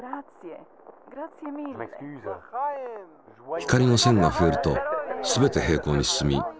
光の線が増えるとすべて平行に進み